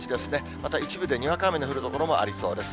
また一部でにわか雨の降る所もありそうです。